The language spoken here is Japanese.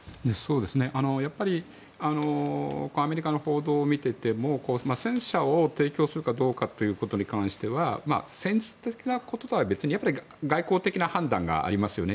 やっぱりアメリカの報道を見ていても戦車を提供するかどうかに関しては戦術的なこととは別に外交的な判断がありますよね。